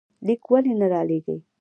ليک ولې نه رالېږې؟